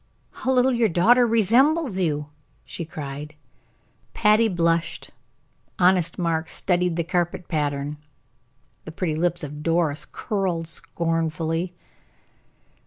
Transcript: "How little your daughter resembles you!" she cried. Patty blushed, honest Mark studied the carpet pattern, the pretty lips of Doris curled scornfully.